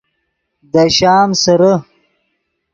دے شام سیرے